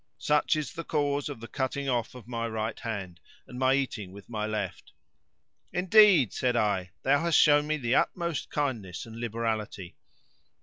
Such is the cause of the cutting off my right hand and my eating with my left." "Indeed," said I, "thou hast shown me the utmost kindness and liberality."